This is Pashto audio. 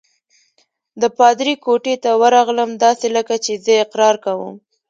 د پادري کوټې ته ورغلم، داسې لکه زه چې اقرار کوم.